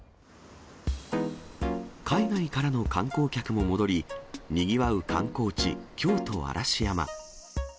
海外からの観光客も戻り、にぎわう観光地、京都・嵐山。